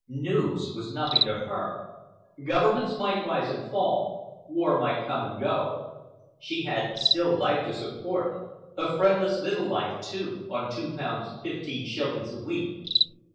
News was nothing to her. Governments might rise and fall, war might come and go,—she had still life to support, a friendless little life, too, on two pounds fifteen shillings a week.